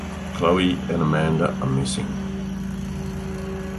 Chloe and Amanda are missing.